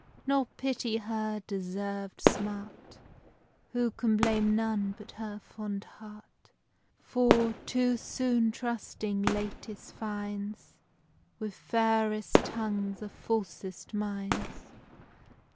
Nor pity her deserved smart, Who can blame none but her fond heart; For, too soon tursting latest finds With fairest tongues are falsest minds.